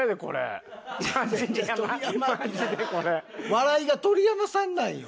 笑いが鳥山さんなんよ。